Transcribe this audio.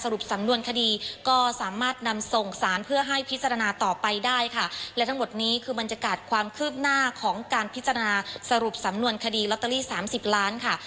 และทั้งหมดนี้คือมันจะการความคืบหน้าของการพิจารณาสรุปสำนวนคดีลอตเตอรี่๓๐ล้านค่ะ